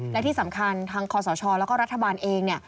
และที่สำคัญทางคอสชและก็รัฐบาลเอง